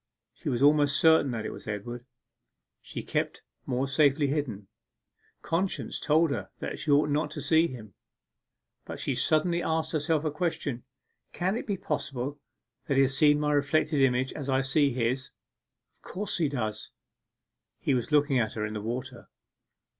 She was almost certain that it was Edward. She kept more safely hidden. Conscience told her that she ought not to see him. But she suddenly asked herself a question: 'Can it be possible that he sees my reflected image, as I see his? Of course he does!' He was looking at her in the water.